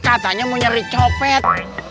katanya mau nyari copet